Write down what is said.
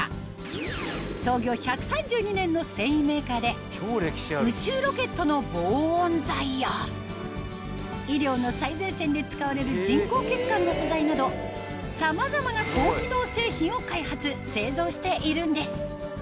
向かったのは宇宙ロケットの防音材や医療の最前線で使われる人工血管の素材などさまざまな高機能製品を開発製造しているんです